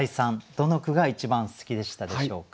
どの句が一番好きでしたでしょうか？